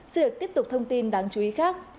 xin được tiếp tục thông tin đáng chú ý khác